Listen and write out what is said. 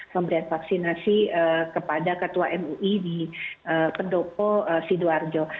pemberian vaksinasi kepada ketua mui di pendopo sidoarjo